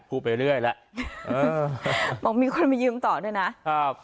พูดไปเรื่อยแล้วเออบอกมีคนมายืมต่อด้วยนะครับ